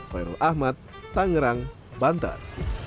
fairul ahmad tangerang bantan